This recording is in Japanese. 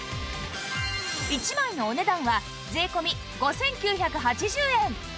１枚のお値段は税込５９８０円